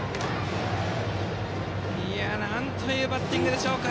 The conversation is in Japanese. なんというバッティングでしょうか。